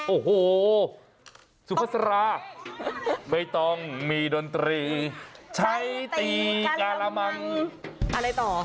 โอ้โหสุภาษาไม่ต้องมีดนตรีใช้ตีการามังอะไรต่อ